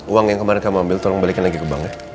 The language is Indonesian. uang yang kemarin kamu ambil tolong balikin lagi ke banknya